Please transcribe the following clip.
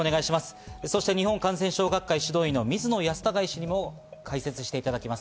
そして日本感染症学会・指導医の水野泰孝医師にも解説していただきます。